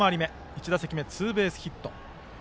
１打席目はツーベースヒット。